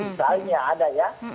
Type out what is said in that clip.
misalnya ada ya